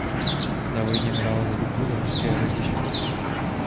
Na vojně hrál za Duklu Uherské Hradiště.